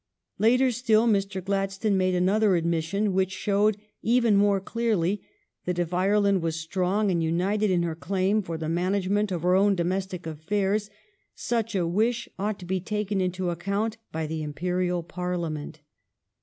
Later still, Mr. Gladstone made another admis sion which showed, even more clearly, that if Ireland were strong and united in her claim for the management of her own domestic affairs, such a wish ought to be taken into account by the Imperial Parliament.